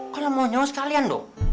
kalau mau nyowo sekalian dong